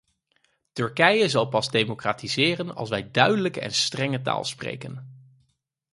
Turkije zal pas democratiseren als wij duidelijke en strenge taal spreken.